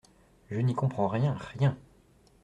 Je n’y comprends rien, rien.